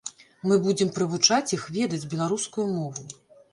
Мы будзем прывучаць іх ведаць беларускую мову.